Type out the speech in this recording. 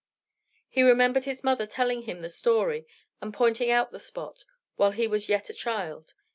He remembered his mother telling him the story and pointing out the spot, while he was yet a child.